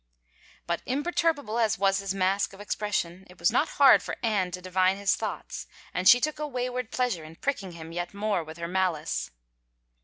But imperturbable as was his mask of expression, it was not hard for Anne to divine his thoughts and she 139 THE FAVOR OF KINGS took a wayward pleasure in pricking him yet more with her malice.